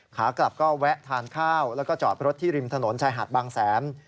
ขากลับก็แวะทานข้าวแล้วก็จอดรถที่ริมถนนชายหาดบางแสน